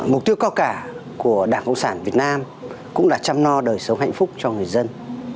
mục tiêu cao cả của đảng cộng sản việt nam cũng là chăm no đời sống hạnh phúc cho người dân